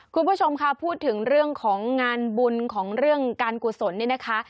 คุณผู้ชมค่ะพูดถึงเรื่องของงานบุญของเรื่องการกุศลเนี่ยนะคะ